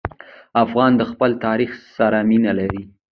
افغانان د خپل تاریخ سره مینه لري.